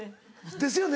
ですよね！